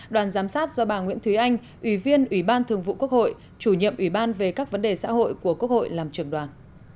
đoàn giám sát do bà nguyễn thúy anh ủy viên ủy ban thường vụ quốc hội chủ nhiệm ủy ban về các vấn đề xã hội của quốc hội làm trưởng đoàn